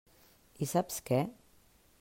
I saps què?